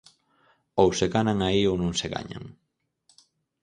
Ou se ganan aí ou non se gañan.